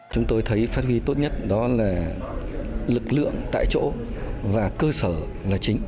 chúng tôi thấy phát huy tốt nhất đó là lực lượng tại chỗ và cơ sở là chính